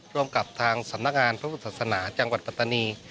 ร่วมกับทางสำนักงานพระพุทธศาสนาจังหวัดปัตตานี